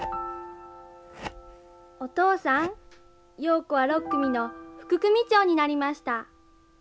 お父さん瑤子は６組の副組長になりました。